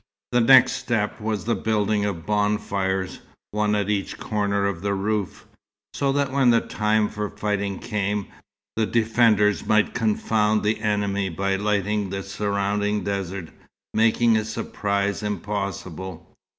The next step was the building of bonfires, one at each corner of the roof, so that when the time for fighting came, the defenders might confound the enemy by lighting the surrounding desert, making a surprise impossible.